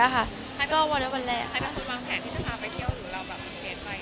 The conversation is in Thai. ใครที่ต้องมาวางแผนที่จะมาเที่ยวบุเกต